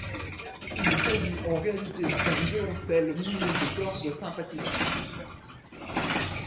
Il s'agit en réalité d'un violoncelle muni de cordes sympathiques.